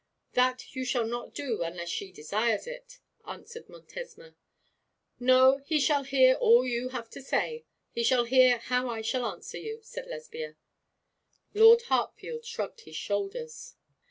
'That you shall not do unless she desires it,' answered Montesma. 'No, he shall hear all that you have to say. He shall hear how I answer you,' said Lesbia. Lord Hartfield shrugged his shoulders.